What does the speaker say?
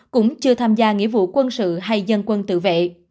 cũng chưa tham gia nghĩa vụ quân sự hay dân quân tự vệ